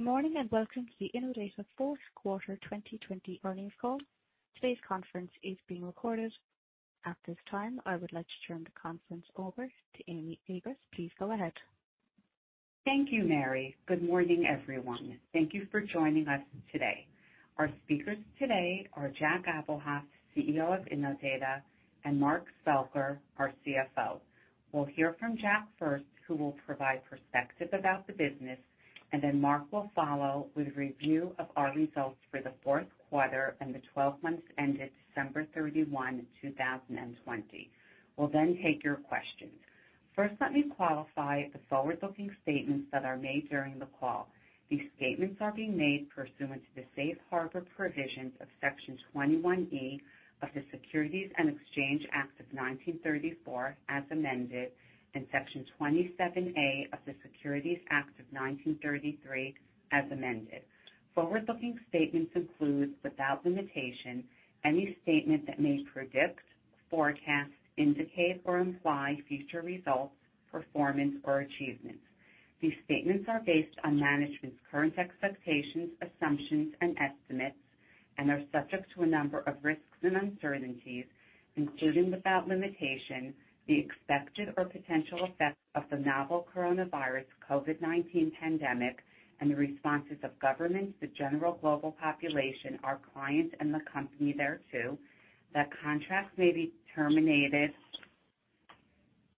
Good morning and welcome to the Innodata Q4 2020 earnings call. Today's conference is being recorded. At this time, I would like to turn the conference over to Amy Agress. Please go ahead. Thank you, Mary. Good morning, everyone. Thank you for joining us today. Our speakers today are Jack Abuhoff, CEO of Innodata, and Mark Spelker, our CFO. We'll hear from Jack first, who will provide perspective about the business, and then Mark will follow with a review of our results for Q4 and the 12 months ended 31 December 2020. We'll then take your questions. First, let me qualify the forward-looking statements that are made during the call. These statements are being made pursuant to the safe harbor provisions of Section 21E of the Securities and Exchange Act of 1934, as amended, and Section 27A of the Securities Act of 1933, as amended. Forward-looking statements include, without limitation, any statement that may predict, forecast, indicate, or imply future results, performance, or achievements. These statements are based on management's current expectations, assumptions, and estimates, and are subject to a number of risks and uncertainties, including without limitation, the expected or potential effects of the novel coronavirus COVID-19 pandemic and the responses of governments, the general global population, our clients, and the company thereto, that contracts may be terminated,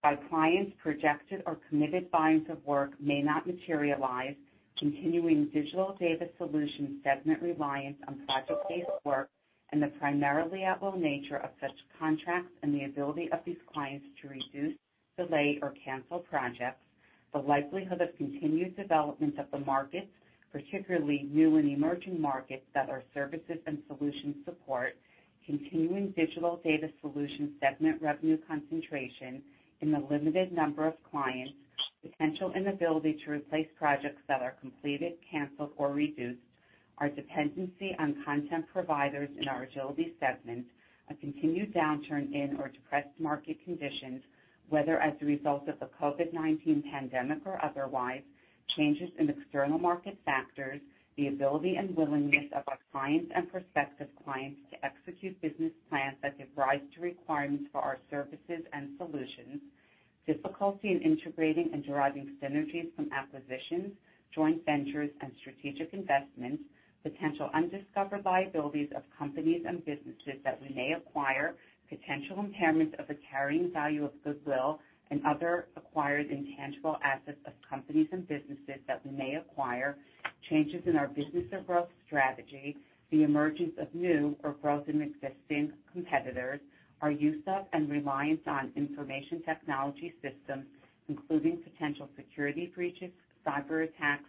our clients' projected or committed volumes of work may not materialize, continuing Digital Data Solutions segment reliance on project-based work, and the primarily at-will nature of such contracts and the ability of these clients to reduce, delay, or cancel projects, the likelihood of continued development of the markets, particularly new and emerging markets that our services and solutions support, continuing Digital Data Solutions segment revenue concentration in the limited number of clients, potential inability to replace projects that are completed, canceled, or reduced, our dependency on content providers in our Agility segment, a continued downturn in or depressed market conditions, whether as a result of the COVID-19 pandemic or otherwise, changes in external market factors, the ability and willingness of our clients and prospective clients to execute business plans that give rise to requirements for our services and solutions, difficulty in integrating and deriving synergies from acquisitions, joint ventures, and strategic investments, potential undiscovered liabilities of companies and businesses that we may acquire, potential impairments of the carrying value of goodwill and other acquired intangible assets of companies and businesses that we may acquire, changes in our business or growth strategy, the emergence of new or growth in existing competitors, our use of and reliance on information technology systems, including potential security breaches, cyberattacks,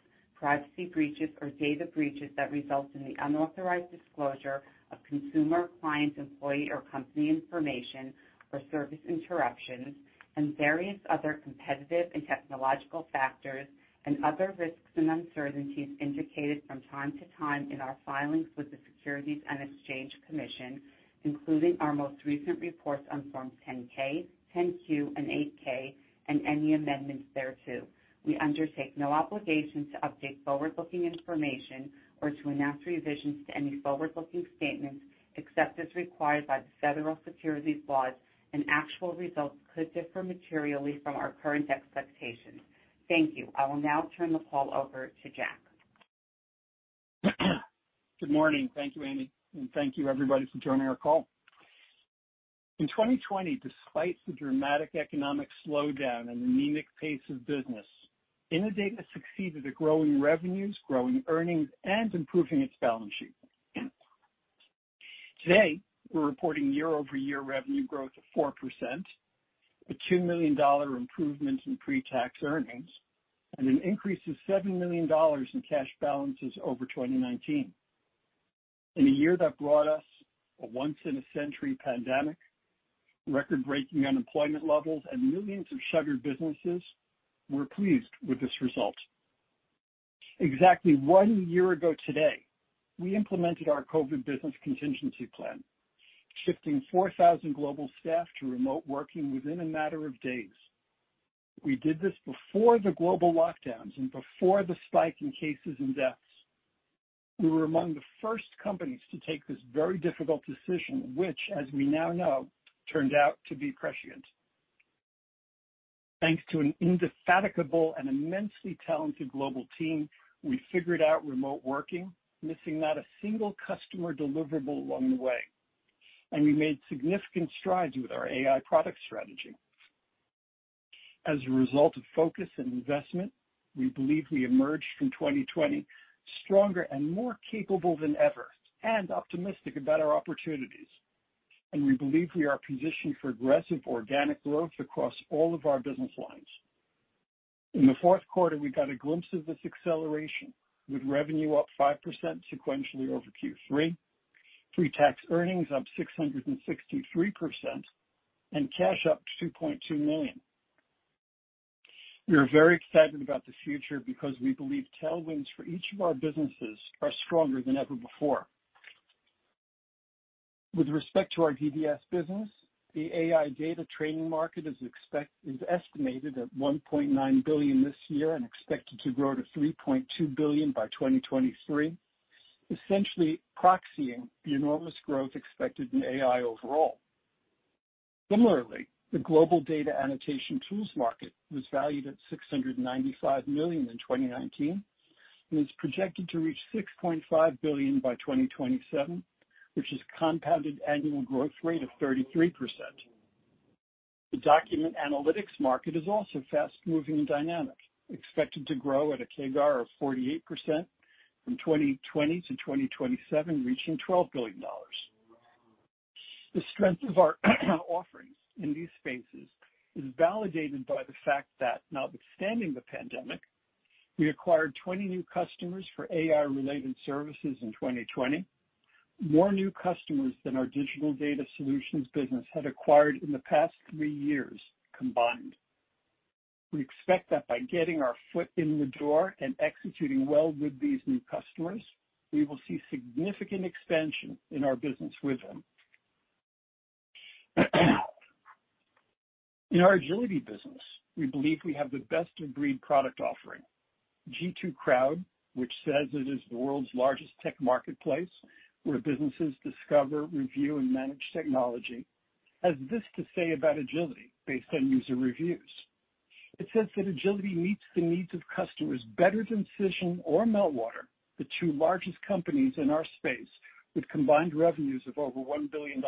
privacy breaches, or data breaches that result in the unauthorized disclosure of consumer, client, employee, or company information or service interruptions, and various other competitive and technological factors, and other risks and uncertainties indicated from time to time in our filings with the Securities and Exchange Commission, including our most recent reports on Forms 10-K, 10-Q, and 8-K, and any amendments thereto. We undertake no obligation to update forward-looking information or to announce revisions to any forward-looking statements except as required by the federal securities laws, and actual results could differ materially from our current expectations. Thank you. I will now turn the call over to Jack. Good morning. Thank you, Amy, and thank you, everybody, for joining our call. In 2020, despite the dramatic economic slowdown and the manic pace of business, Innodata succeeded at growing revenues, growing earnings, and improving its balance sheet. Today, we're reporting year-over-year revenue growth of 4%, a $2 million improvement in pre-tax earnings, and an increase of $7 million in cash balances over 2019. In a year that brought us a once-in-a-century pandemic, record-breaking unemployment levels, and millions of shuttered businesses, we're pleased with this result. Exactly one year ago today, we implemented our COVID business contingency plan, shifting 4,000 global staff to remote working within a matter of days. We did this before the global lockdowns and before the spike in cases and deaths. We were among the first companies to take this very difficult decision, which, as we now know, turned out to be prescient. Thanks to an indefatigable and immensely talented global team, we figured out remote working, missing not a single customer deliverable along the way, and we made significant strides with our AI product strategy. As a result of focus and investment, we believe we emerged from 2020 stronger and more capable than ever and optimistic about our opportunities, and we believe we are positioned for aggressive organic growth across all of our business lines. In Q4, we got a glimpse of this acceleration, with revenue up 5% sequentially over Q3, pre-tax earnings up 663%, and cash up to $2.2 million. We are very excited about the future because we believe tailwinds for each of our businesses are stronger than ever before. With respect to our DBS business, the AI data training market is estimated at $1.9 billion this year and expected to grow to $3.2 billion by 2023, essentially proxying the enormous growth expected in AI overall. Similarly, the global data annotation tools market was valued at $695 million in 2019 and is projected to reach $6.5 billion by 2027, which is a compounded annual growth rate of 33%. The document analytics market is also fast-moving and dynamic, expected to grow at a CAGR of 48% from 2020 to 2027, reaching $12 billion. The strength of our offerings in these spaces is validated by the fact that, notwithstanding the pandemic, we acquired 20 new customers for AI-related services in 2020, more new customers than our digital data solutions business had acquired in the past three years combined. We expect that by getting our foot in the door and executing well with these new customers, we will see significant expansion in our business with them. In our Agility business, we believe we have the best-of-breed product offering. G2 Crowd, which says it is the world's largest tech marketplace where businesses discover, review, and manage technology, has this to say about Agility based on user reviews. It says that Agility meets the needs of customers better than Cision or Meltwater, the two largest companies in our space, with combined revenues of over $1 billion.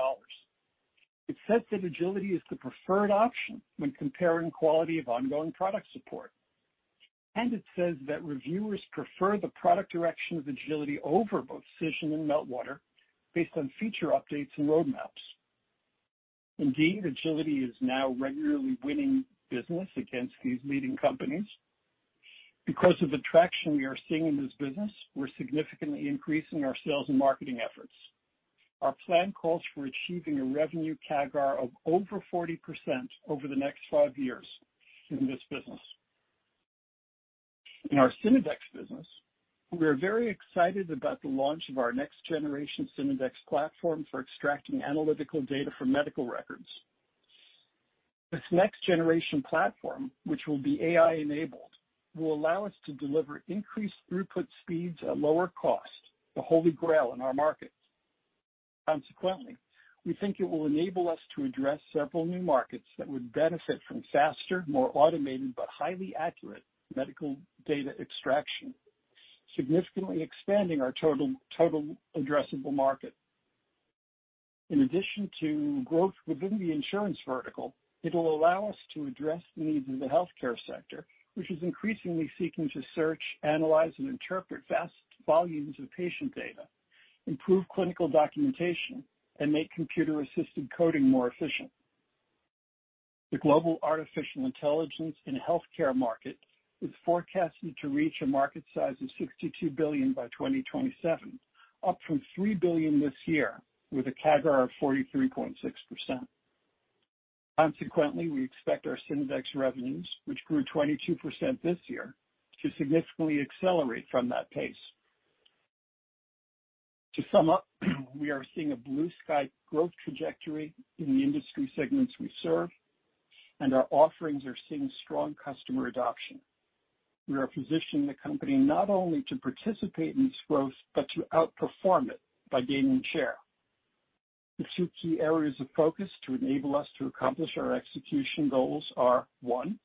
It says that Agility is the preferred option when comparing quality of ongoing product support, and it says that reviewers prefer the product direction of Agility over both Cision and Meltwater based on feature updates and roadmaps. Indeed, Agility is now regularly winning business against these leading companies. Because of the traction we are seeing in this business, we're significantly increasing our sales and marketing efforts. Our plan calls for achieving a revenue CAGR of over 40% over the next five years in this business. In our Synodex business, we are very excited about the launch of our next-generation Synodex platform for extracting analytical data from medical records. This next-generation platform, which will be AI-enabled, will allow us to deliver increased throughput speeds at lower cost, the holy grail in our market. Consequently, we think it will enable us to address several new markets that would benefit from faster, more automated, but highly accurate medical data extraction, significantly expanding our total addressable market. In addition to growth within the insurance vertical, it'll allow us to address the needs of the healthcare sector, which is increasingly seeking to search, analyze, and interpret vast volumes of patient data, improve clinical documentation, and make computer-assisted coding more efficient. The global artificial intelligence in healthcare market is forecasted to reach a market size of $62 billion by 2027, up from $3 billion this year with a CAGR of 43.6%. Consequently, we expect our Synodex revenues, which grew 22% this year, to significantly accelerate from that pace. To sum up, we are seeing a blue-sky growth trajectory in the industry segments we serve, and our offerings are seeing strong customer adoption. We are positioning the company not only to participate in this growth but to outperform it by gaining share. The two key areas of focus to enable us to accomplish our execution goals are, one,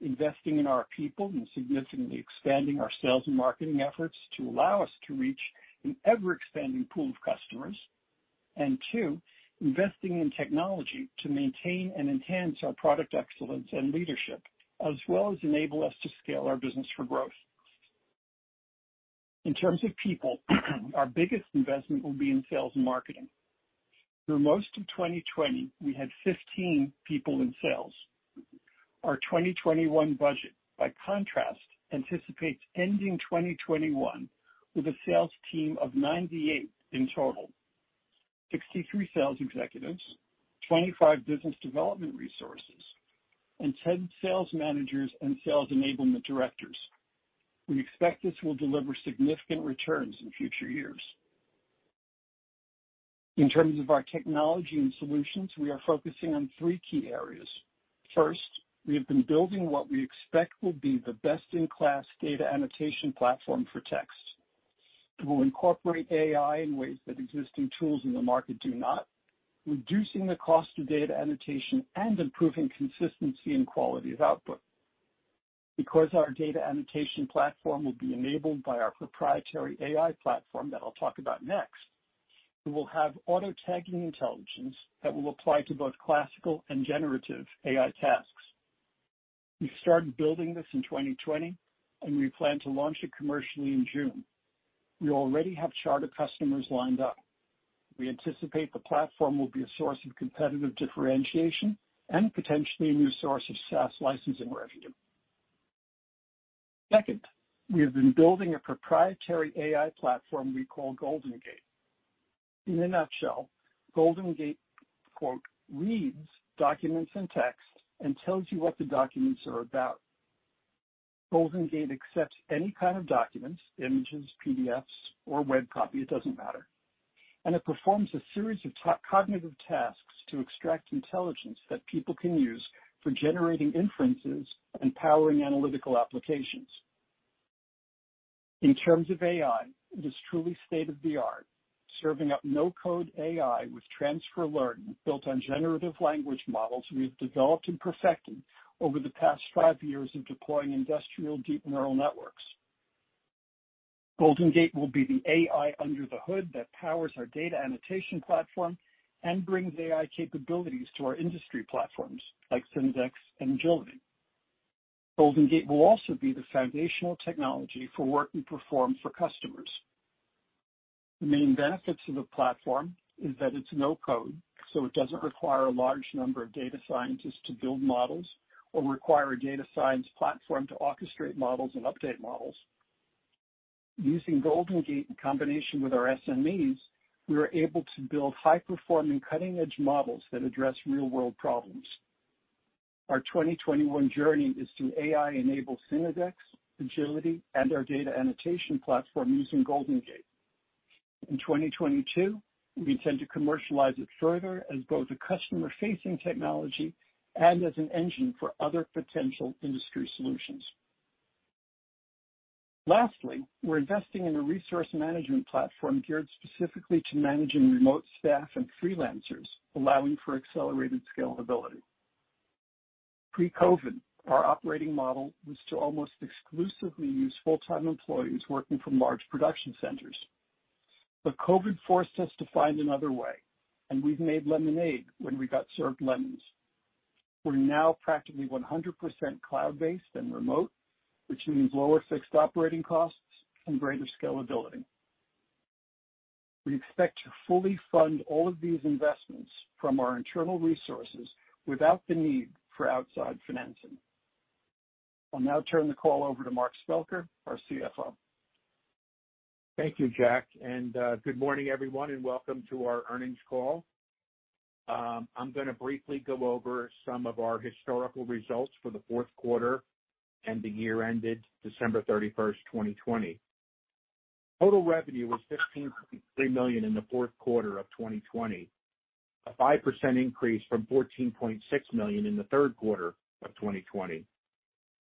investing in our people and significantly expanding our sales and marketing efforts to allow us to reach an ever-expanding pool of customers, and two, investing in technology to maintain and enhance our product excellence and leadership, as well as enable us to scale our business for growth. In terms of people, our biggest investment will be in sales and marketing. For most of 2020, we had 15 people in sales. Our 2021 budget, by contrast, anticipates ending 2021 with a sales team of 98 in total: 63 sales executives, 25 business development resources, and 10 sales managers and sales enablement directors. We expect this will deliver significant returns in future years. In terms of our technology and solutions, we are focusing on three key areas. First, we have been building what we expect will be the best-in-class data annotation platform for text. It will incorporate AI in ways that existing tools in the market do not, reducing the cost of data annotation and improving consistency and quality of output. Because our data annotation platform will be enabled by our proprietary AI platform that I'll talk about next, it will have auto-tagging intelligence that will apply to both classical and generative AI tasks. We started building this in 2020, and we plan to launch it commercially in June. We already have charter customers lined up. We anticipate the platform will be a source of competitive differentiation and potentially a new source of SaaS licensing revenue. Second, we have been building a proprietary AI platform we call GoldenGate. In a nutshell, GoldenGate "reads" documents and texts and tells you what the documents are about. GoldenGate accepts any kind of documents, images, PDFs, or web copy, it doesn't matter, and it performs a series of cognitive tasks to extract intelligence that people can use for generating inferences and powering analytical applications. In terms of AI, it is truly state-of-the-art, serving up no-code AI with transfer learning built on generative language models we have developed and perfected over the past five years of deploying industrial deep neural networks. GoldenGate will be the AI under the hood that powers our data annotation platform and brings AI capabilities to our industry platforms like Synodex and Agility. GoldenGate will also be the foundational technology for work we perform for customers. The main benefits of the platform are that it's no-code, so it doesn't require a large number of data scientists to build models or require a data science platform to orchestrate models and update models. Using GoldenGate in combination with our SMEs, we are able to build high-performing, cutting-edge models that address real-world problems. Our 2021 journey is to AI-enabled Synodex, Agility, and our data annotation platform using GoldenGate. In 2022, we intend to commercialize it further as both a customer-facing technology and as an engine for other potential industry solutions. Lastly, we're investing in a resource management platform geared specifically to managing remote staff and freelancers, allowing for accelerated scalability. Pre-COVID, our operating model was to almost exclusively use full-time employees working from large production centers. But COVID forced us to find another way, and we've made lemonade when we got served lemons. We're now practically 100% cloud-based and remote, which means lower fixed operating costs and greater scalability. We expect to fully fund all of these investments from our internal resources without the need for outside financing. I'll now turn the call over to Mark Spelker, our CFO. Thank you, Jack, and good morning, everyone, and welcome to our earnings call. I'm going to briefly go over some of our historical results for Q4 and the year ended December 31, 2020. Total revenue was $15.3 million in Q4 of 2020, a 5% increase from $14.6 million in the third Q4 of 2020.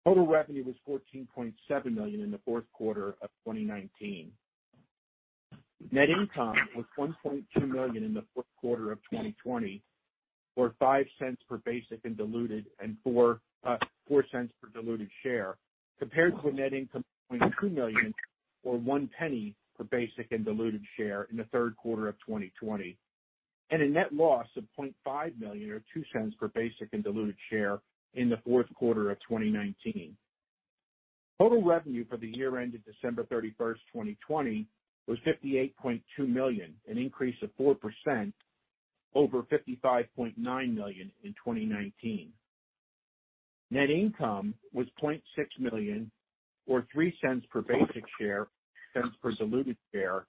Total revenue was $14.7 million in Q4 of 2019. Net income was $1.2 million in Q4 of 2020, or $0.05 per basic and diluted share, compared to a net income of $0.2 million, or $0.01 per basic and diluted share in Q3 of 2020, and a net loss of $0.5 million, or $0.02 per basic and diluted share in Q4 of 2019. Total revenue for the year ended December 31, 2020, was $58.2 million, an increase of 4% over $55.9 million in 2019. Net income was $0.6 million, or $0.03 per basic share per diluted share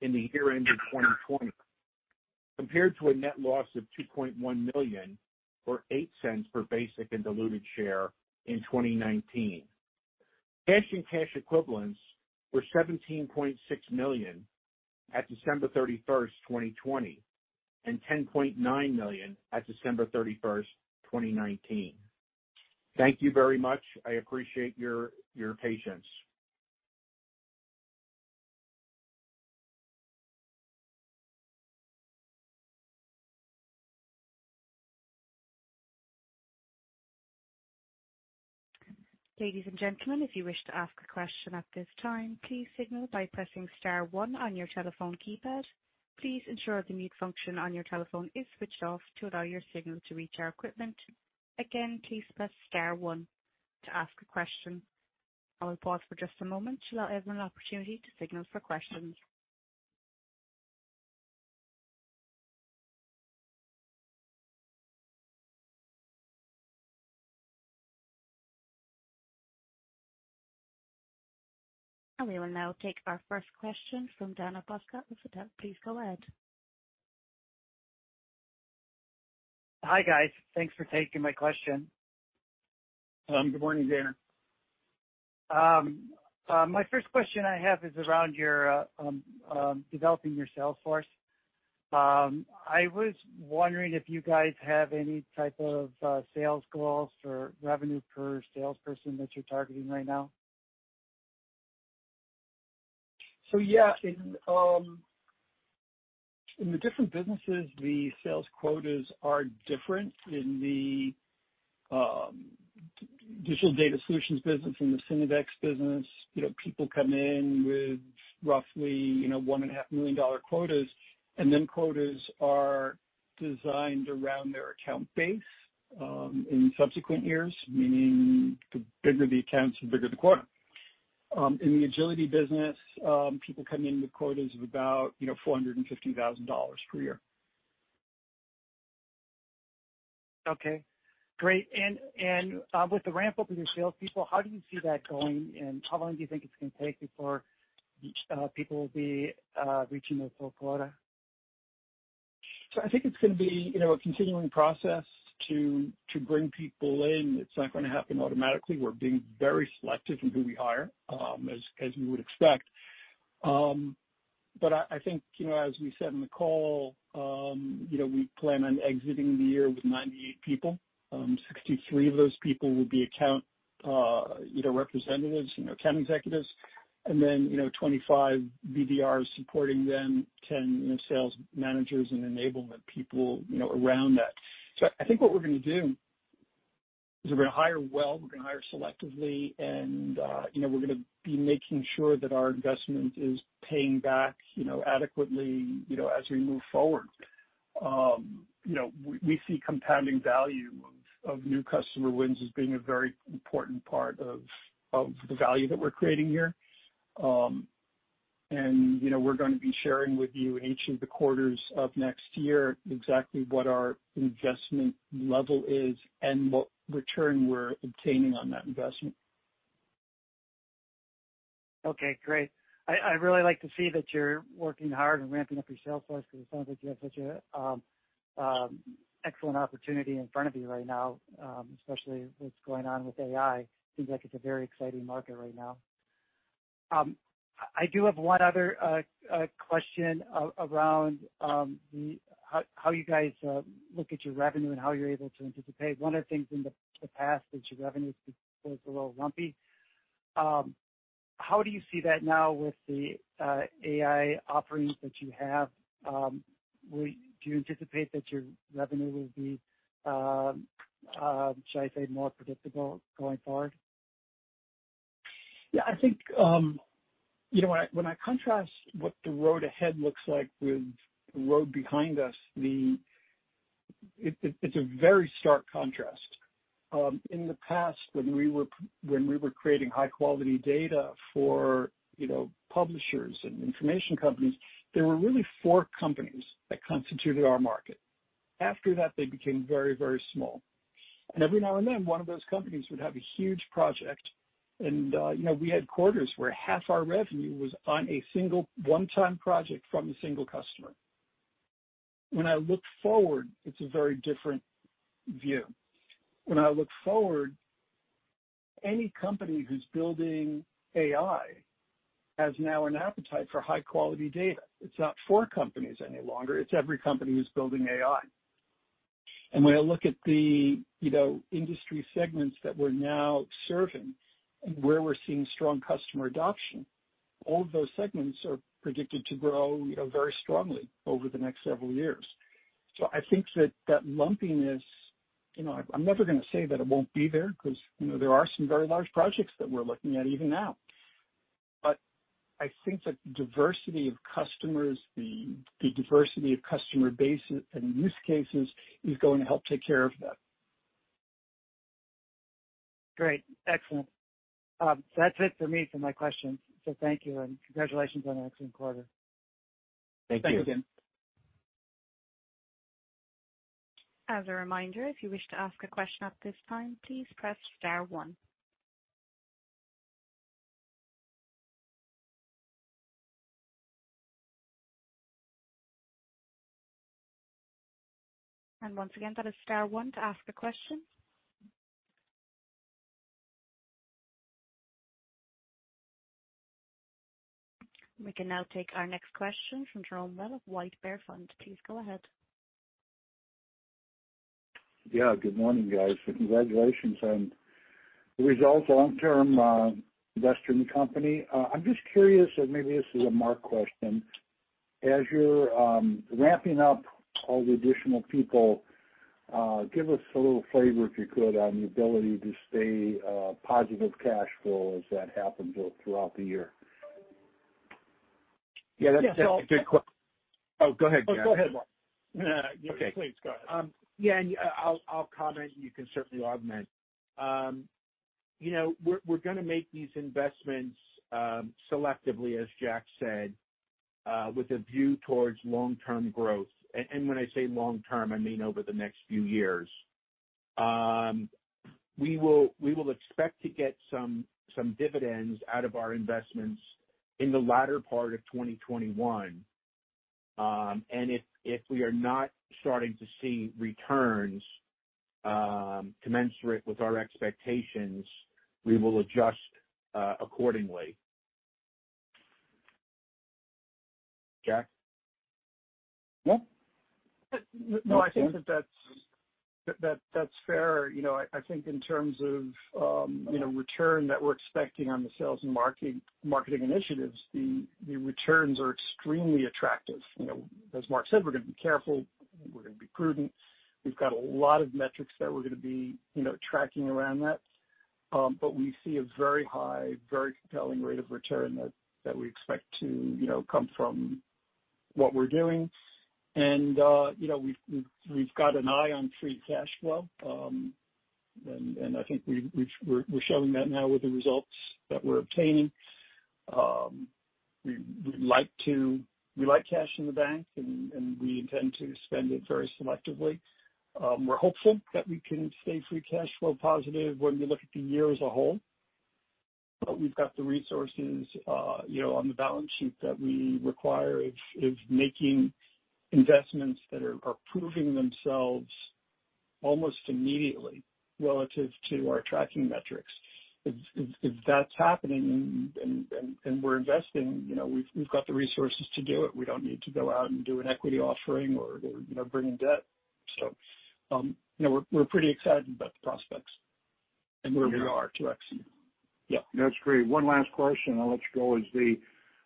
in the year ended 2020, compared to a net loss of $2.1 million, or $0.08 per basic and diluted share in 2019. Cash and cash equivalents were $17.6 million at December 31, 2020, and $10.9 million at December 31, 2019. Thank you very much. I appreciate your patience. Ladies and gentlemen, if you wish to ask a question at this time, please signal by pressing star one on your telephone keypad. Please ensure the mute function on your telephone is switched off to allow your signal to reach our equipment. Again, please press star one to ask a question. I will pause for just a moment to allow everyone an opportunity to signal for questions. And we will now take our first question from Dana Buskard. Please go ahead. Hi, guys. Thanks for taking my question. Good morning, Dana. My first question I have is around your developing your sales force. I was wondering if you guys have any type of sales goals for revenue per salesperson that you're targeting right now. So yeah, in the different businesses, the sales quotas are different. In the digital data solutions business, in the Synodex business, people come in with roughly $1.5 million quotas, and then quotas are designed around their account base in subsequent years, meaning the bigger the accounts, the bigger the quota. In the Agility business, people come in with quotas of about $450,000 per year. Okay. Great, and with the ramp-up of your salespeople, how do you see that going, and how long do you think it's going to take before people will be reaching their full quota? I think it's going to be a continuing process to bring people in. It's not going to happen automatically. We're being very selective in who we hire, as you would expect. I think, as we said in the call, we plan on exiting the year with 98 people. 63 of those people will be account representatives, account executives, and then 25 VDRs supporting them, 10 sales managers, and enablement people around that. I think what we're going to do is we're going to hire well. We're going to hire selectively, and we're going to be making sure that our investment is paying back adequately as we move forward. We see compounding value of new customer wins as being a very important part of the value that we're creating here. We're going to be sharing with you in each of the quarters of next year exactly what our investment level is and what return we're obtaining on that investment. Okay. Great. I'd really like to see that you're working hard on ramping up your sales force because it sounds like you have such an excellent opportunity in front of you right now, especially with what's going on with AI. Seems like it's a very exciting market right now. I do have one other question around how you guys look at your revenue and how you're able to anticipate. One of the things in the past is your revenue was a little lumpy. How do you see that now with the AI offerings that you have? Do you anticipate that your revenue will be, shall I say, more predictable going forward? Yeah. I think when I contrast what the road ahead looks like with the road behind us, it's a very stark contrast. In the past, when we were creating high-quality data for publishers and information companies, there were really four companies that constituted our market. After that, they became very, very small. And every now and then, one of those companies would have a huge project, and we had quarters where half our revenue was on a single one-time project from a single customer. When I look forward, it's a very different view. When I look forward, any company who's building AI has now an appetite for high-quality data. It's not four companies any longer. It's every company who's building AI and when I look at the industry segments that we're now serving and where we're seeing strong customer adoption, all of those segments are predicted to grow very strongly over the next several years. So I think that that lumpiness, I'm never going to say that it won't be there because there are some very large projects that we're looking at even now. But I think the diversity of customers, the diversity of customer bases and use cases is going to help take care of that. Great. Excellent. That's it for me for my questions. So thank you, and congratulations on an excellent quarter. Thank you. Thanks again. As a reminder, if you wish to ask a question at this time, please press star one. And once again, that is star one to ask a question. We can now take our next question from Jerome Wall of White Bear Fund. Please go ahead. Yeah. Good morning, guys. Congratulations on the results, long-term investor in the company. I'm just curious, and maybe this is a Mark question, as you're ramping up all the additional people, give us a little flavor, if you could, on the ability to stay positive cash flow as that happens throughout the year. Yeah. That's a good question. Oh, go ahead, Jack. Oh, go ahead, Mark. Okay. Yeah. Please, go ahead. Yeah. And I'll comment, and you can certainly augment. We're going to make these investments selectively, as Jack said, with a view towards long-term growth. And when I say long-term, I mean over the next few years. We will expect to get some dividends out of our investments in the latter part of 2021. And if we are not starting to see returns commensurate with our expectations, we will adjust accordingly. Jack? No, I think that that's fair. I think in terms of return that we're expecting on the sales and marketing initiatives, the returns are extremely attractive. As Mark said, we're going to be careful. We're going to be prudent. We've got a lot of metrics that we're going to be tracking around that. But we see a very high, very compelling rate of return that we expect to come from what we're doing. And we've got an eye on free cash flow. And I think we're showing that now with the results that we're obtaining. We like cash in the bank, and we intend to spend it very selectively. We're hopeful that we can stay free cash flow positive when we look at the year as a whole but we've got the resources on the balance sheet that we require of making investments that are proving themselves almost immediately relative to our tracking metrics. If that's happening and we're investing, we've got the resources to do it. We don't need to go out and do an equity offering or bring in debt. So we're pretty excited about the prospects and where we are to exit. Yeah. That's great. One last question. I'll let you go.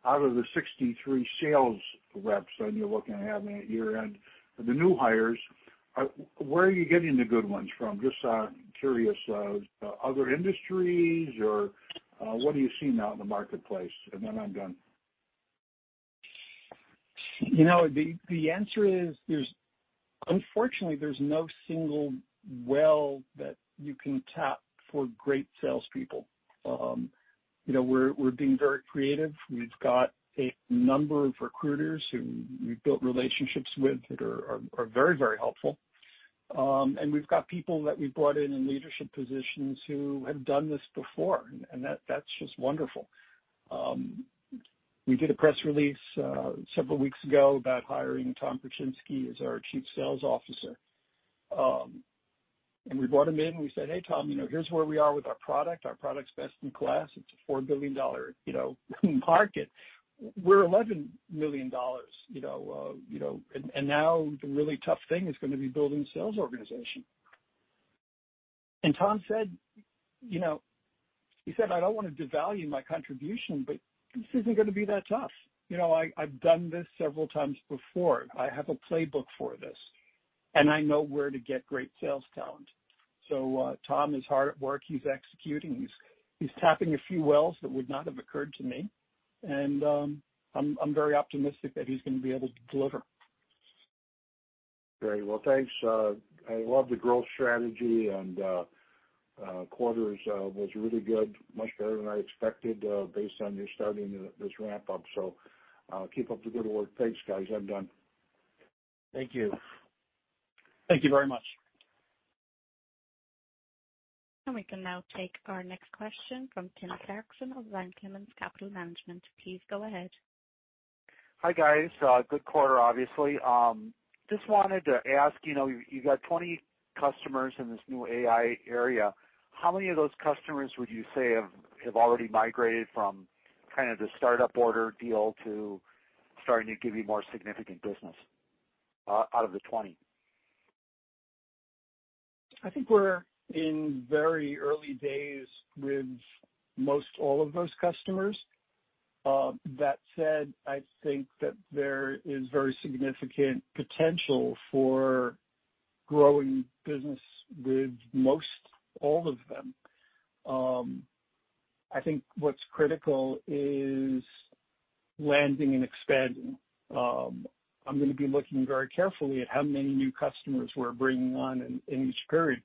Out of the 63 sales reps that you're looking at having at year-end for the new hires, where are you getting the good ones from? Just curious. Other industries, or what are you seeing out in the marketplace? And then I'm done. The answer is, unfortunately, there's no single well that you can tap for great salespeople. We're being very creative. We've got a number of recruiters who we've built relationships with that are very, very helpful. And we've got people that we've brought in in leadership positions who have done this before, and that's just wonderful. We did a press release several weeks ago about hiring Tom Pruchinski as our Chief Sales Officer. We brought him in. We said, "Hey, Tom, here's where we are with our product. Our product's best in class. It's a $4 billion market. We're $11 million. And now the really tough thing is going to be building a sales organization." And Tom said, he said, "I don't want to devalue my contribution, but this isn't going to be that tough. I've done this several times before. I have a playbook for this, and I know where to get great sales talent," so Tom is hard at work. He's executing. He's tapping a few wells that would not have occurred to me, and I'm very optimistic that he's going to be able to deliver. Great. Well, thanks. I love the growth strategy, and quarters was really good, much better than I expected based on your starting this ramp-up. So keep up the good work. Thanks, guys. I'm done. Thank you. Thank you very much. We can now take our next question from Tim Clarkson of Van Clemens Capital Management. Please go ahead. Hi, guys. Good quarter, obviously. Just wanted to ask, you've got 20 customers in this new AI area. How many of those customers would you say have already migrated from kind of the startup order deal to starting to give you more significant business out of the 20? I think we're in very early days with most all of those customers. That said, I think that there is very significant potential for growing business with most all of them. I think what's critical is landing and expanding. I'm going to be looking very carefully at how many new customers we're bringing on in each period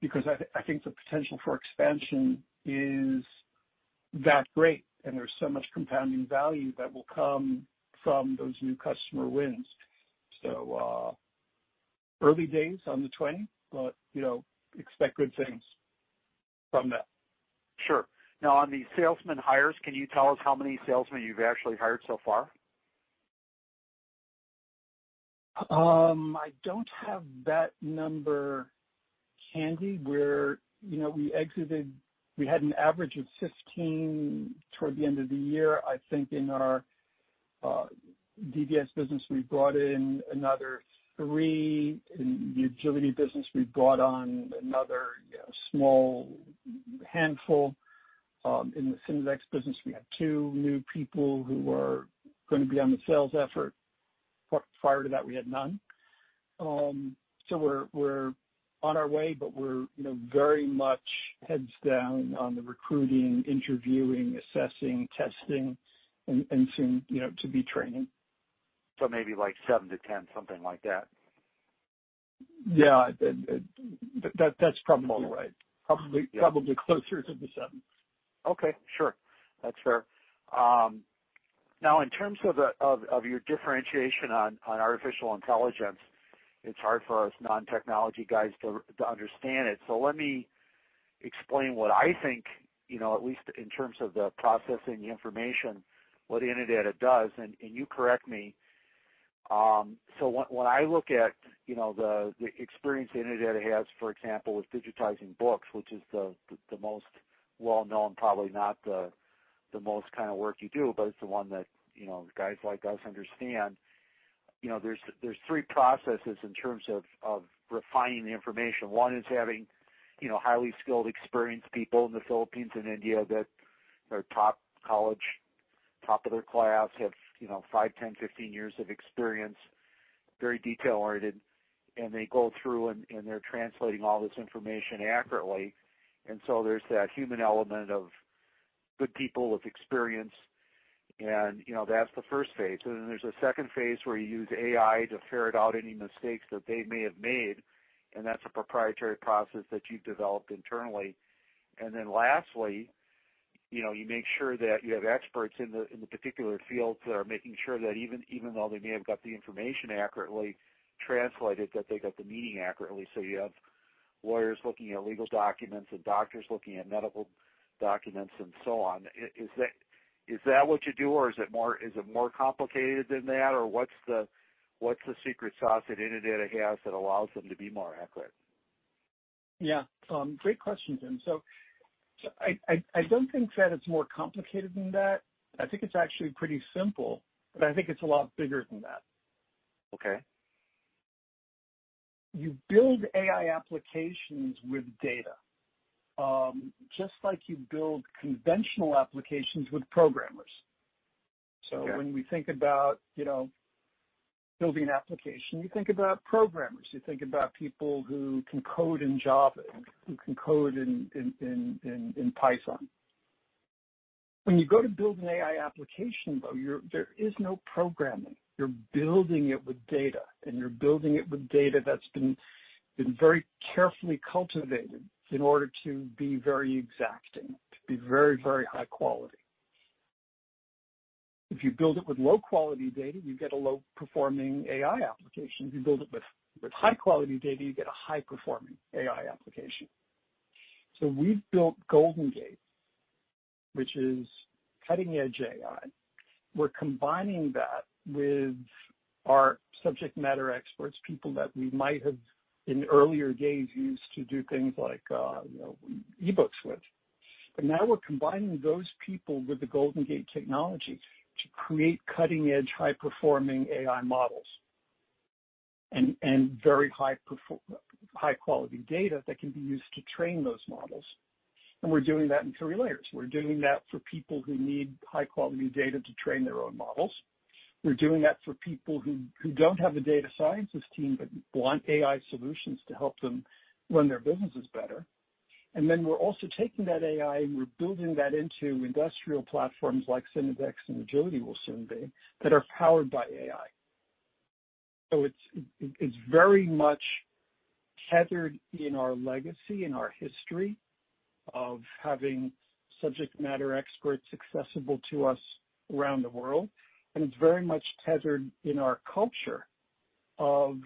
because I think the potential for expansion is that great, and there's so much compounding value that will come from those new customer wins. So early days on the 20, but expect good things from that. Sure. Now, on the salesman hires, can you tell us how many salesmen you've actually hired so far? I don't have that number handy. We exited. We had an average of 15 toward the end of the year. I think in our DBS business, we brought in another three. In the Agility business, we brought on another small handful. In the Synodex business, we had two new people who were going to be on the sales effort. Prior to that, we had none. So we're on our way, but we're very much heads down on the recruiting, interviewing, assessing, testing, and soon-to-be training. So maybe like seven to 10, something like that. Yeah. That's probably right. Probably closer to the 7. Okay. Sure. That's fair. Now, in terms of your differentiation on artificial intelligence, it's hard for us non-technology guys to understand it, so let me explain what I think, at least in terms of the processing information, what Innodata does, and you correct me, so when I look at the experience Innodata has, for example, with digitizing books, which is the most well-known, probably not the most kind of work you do, but it's the one that guys like us understand, there's three processes in terms of refining the information. One is having highly skilled, experienced people in the Philippines and India that are top college, top of their class, have five, 10, 15 years of experience, very detail-oriented, and they go through and they're translating all this information accurately, and so there's that human element of good people with experience, and that's the first phase. And then there's a second phase where you use AI to ferret out any mistakes that they may have made, and that's a proprietary process that you've developed internally. And then lastly, you make sure that you have experts in the particular fields that are making sure that even though they may have got the information accurately translated, that they got the meaning accurately. So you have lawyers looking at legal documents and doctors looking at medical documents and so on. Is that what you do, or is it more complicated than that, or what's the secret sauce that Innodata has that allows them to be more accurate? Yeah. Great question, Tim. So I don't think that it's more complicated than that. I think it's actually pretty simple, but I think it's a lot bigger than that. Okay. You build AI applications with data, just like you build conventional applications with programmers. So when we think about building an application, you think about programmers. You think about people who can code in Java and who can code in Python. When you go to build an AI application, though, there is no programming. You're building it with data, and you're building it with data that's been very carefully cultivated in order to be very exact and to be very, very high quality. If you build it with low-quality data, you get a low-performing AI application. If you build it with high-quality data, you get a high-performing AI application. So we've built GoldenGate, which is cutting-edge AI. We're combining that with our subject matter experts, people that we might have in earlier days used to do things like eBooks with. But now we're combining those people with the GoldenGate technology to create cutting-edge, high-performing AI models and very high-quality data that can be used to train those models, and we're doing that in three layers. We're doing that for people who need high-quality data to train their own models. We're doing that for people who don't have a data scientist team but want AI solutions to help them run their businesses better, and then we're also taking that AI, and we're building that into industrial platforms like Synodex and Agility will soon be that are powered by AI, so it's very much tethered in our legacy and our history of having subject matter experts accessible to us around the world, and it's very much tethered in our culture of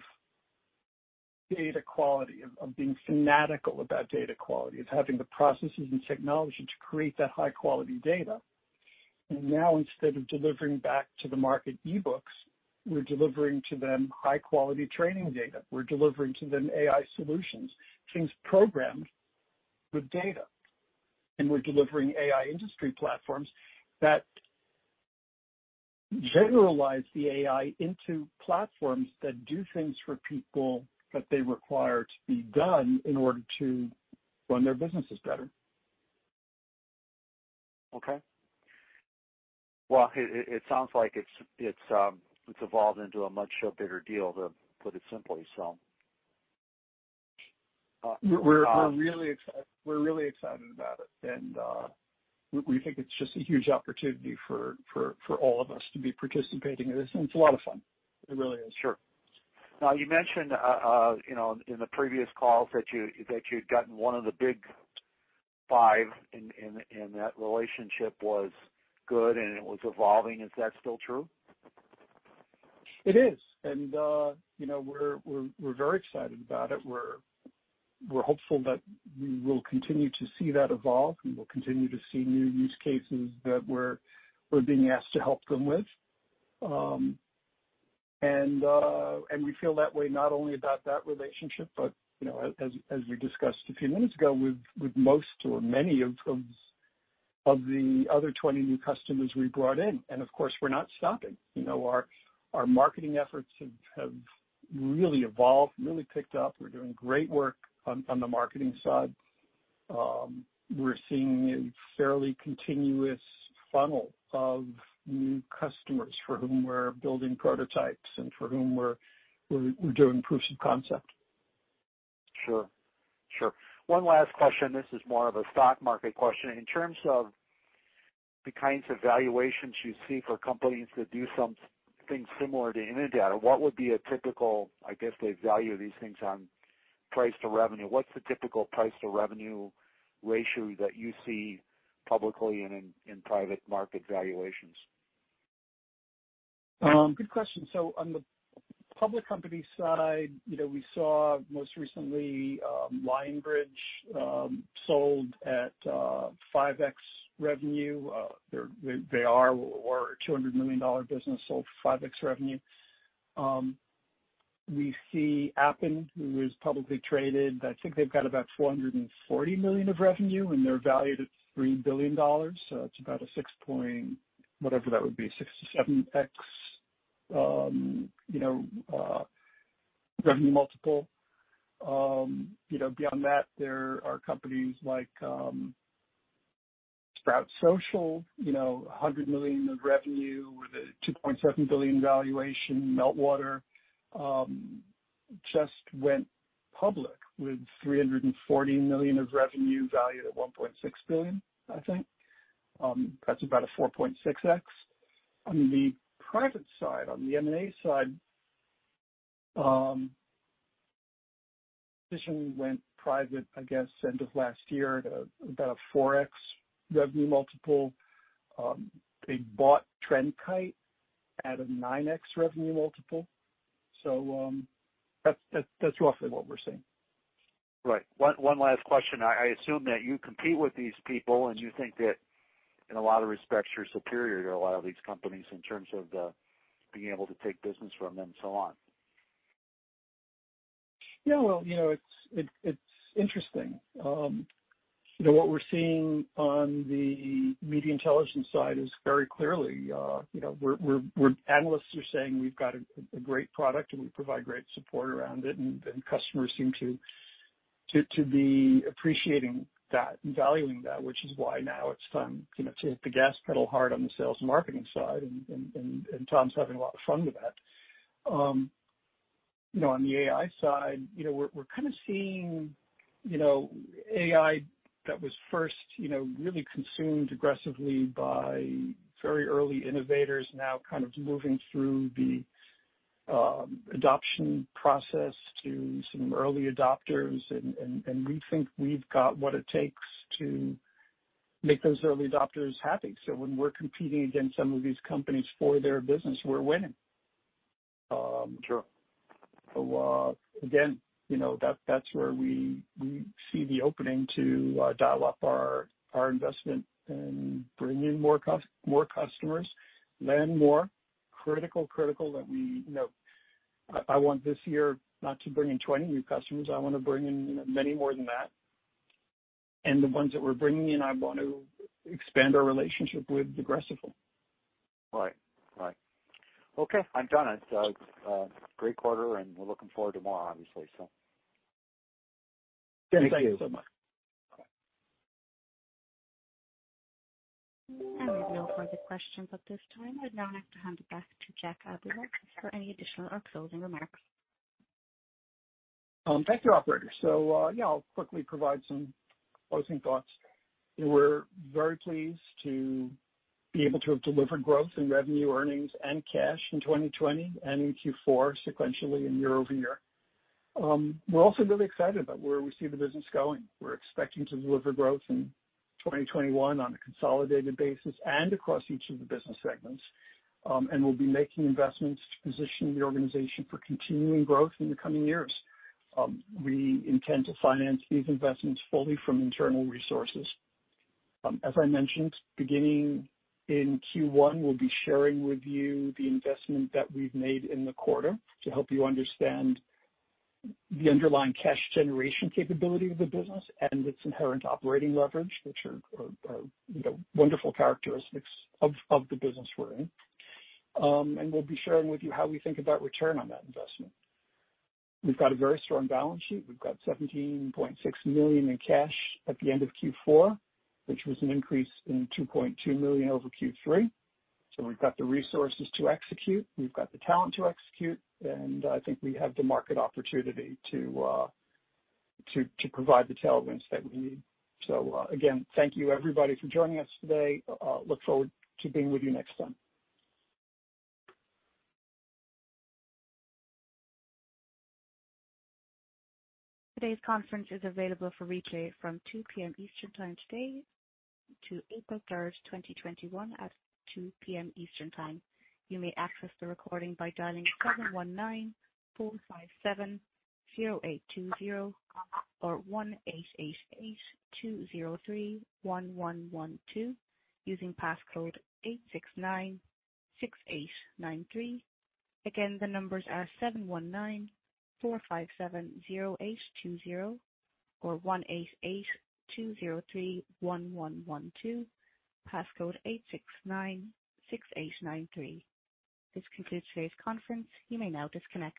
data quality, of being fanatical about data quality, of having the processes and technology to create that high-quality data. And now, instead of delivering back to the market eBooks, we're delivering to them high-quality training data. We're delivering to them AI solutions, things programmed with data. And we're delivering AI industry platforms that generalize the AI into platforms that do things for people that they require to be done in order to run their businesses better. Okay, well, it sounds like it's evolved into a much bigger deal, to put it simply, so. We're really excited about it, and we think it's just a huge opportunity for all of us to be participating in this, and it's a lot of fun. It really is. Sure. Now, you mentioned in the previous calls that you'd gotten one of the big five, and that relationship was good, and it was evolving. Is that still true? It is. And we're very excited about it. We're hopeful that we will continue to see that evolve. We will continue to see new use cases that we're being asked to help them with. And we feel that way not only about that relationship, but as we discussed a few minutes ago with most or many of the other 20 new customers we brought in. And of course, we're not stopping. Our marketing efforts have really evolved, really picked up. We're doing great work on the marketing side. We're seeing a fairly continuous funnel of new customers for whom we're building prototypes and for whom we're doing proofs of concept. Sure. One last question. This is more of a stock market question. In terms of the kinds of valuations you see for companies that do something similar to Innodata, what would be a typical, I guess, they value these things on price to revenue. What's the typical price to revenue ratio that you see publicly and in private market valuations? Good question. So on the public company side, we saw most recently Lionbridge sold at 5x revenue. They are a $200 million business sold for 5x revenue. We see Appen, who is publicly traded. I think they've got about $440 million of revenue, and they're valued at $3 billion. So that's about a 6. Whatever that would be, 6 to 7x revenue multiple. Beyond that, there are companies like Sprout Social, $100 million of revenue with a $2.7 billion valuation. Meltwater just went public with $340 million of revenue, valued at $1.6 billion, I think. That's about a 4.6x. On the private side, on the M&A side, Cision went private, I guess, end of last year to about a 4x revenue multiple. They bought TrendKite at a 9x revenue multiple. So that's roughly what we're seeing. Right. One last question. I assume that you compete with these people, and you think that in a lot of respects, you're superior to a lot of these companies in terms of being able to take business from them and so on. Yeah. Well, it's interesting. What we're seeing on the media intelligence side is very clearly our analysts are saying we've got a great product, and we provide great support around it, and customers seem to be appreciating that and valuing that, which is why now it's time to hit the gas pedal hard on the sales and marketing side, and Tom's having a lot of fun with that. On the AI side, we're kind of seeing AI that was first really consumed aggressively by very early innovators now kind of moving through the adoption process to some early adopters, and we think we've got what it takes to make those early adopters happy. So when we're competing against some of these companies for their business, we're winning. Sure. So again, that's where we see the opening to dial up our investment and bring in more customers, land more. Critical, critical that I want this year not to bring in 20 new customers. I want to bring in many more than that. And the ones that we're bringing in, I want to expand our relationship with aggressively. Right. Okay. I'm done. It's a great quarter, and we're looking forward to more, obviously. Thank you. Thank you so much. Bye-bye. We have no further questions at this time. I now have to hand it back to Jack Abuhoff for any additional or closing remarks. Thank you, Operator. So yeah, I'll quickly provide some closing thoughts. We're very pleased to be able to have delivered growth in revenue, earnings, and cash in 2020 and in Q4 sequentially and year over year. We're also really excited about where we see the business going. We're expecting to deliver growth in 2021 on a consolidated basis and across each of the business segments. And we'll be making investments to position the organization for continuing growth in the coming years. We intend to finance these investments fully from internal resources. As I mentioned, beginning in Q1, we'll be sharing with you the investment that we've made in the quarter to help you understand the underlying cash generation capability of the business and its inherent operating leverage, which are wonderful characteristics of the business we're in. And we'll be sharing with you how we think about return on that investment. We've got a very strong balance sheet. We've got $17.6 million in cash at the end of Q4, which was an increase in $2.2 million over Q3. So we've got the resources to execute. We've got the talent to execute, and I think we have the market opportunity to provide the tailwinds that we need. So again, thank you, everybody, for joining us today. Look forward to being with you next time. Today's conference is available for retake from 2:00 P.M. Eastern Time today to April 3rd, 2021, at 2:00 P.M. Eastern Time. You may access the recording by dialing 719-457-0820 or 1-888-203-1112 using passcode 869-6893. Again, the numbers are 719-457-0820 or 1-888-203-1112, passcode 869-6893. This concludes today's conference. You may now disconnect.